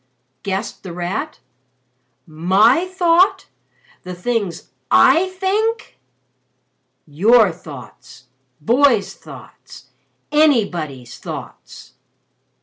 gasped The Rat. "My thought the things I think!" "Your thoughts boys' thoughts anybody's thoughts."